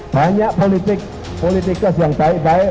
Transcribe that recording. banyak politik politikus yang baik baik